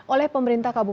oleh pemerintah kasus